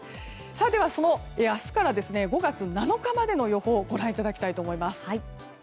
では、明日から５月７日までの予報をご覧いただきます。